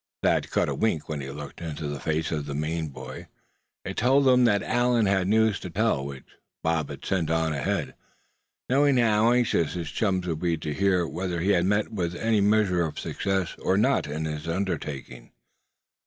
Thad caught a wink when he looked into the face of the Maine boy. It told him that Allan had news to tell, which Bob had sent on ahead, knowing how anxious his chums would be to hear whether he had met with any measure of success or not in his undertaking.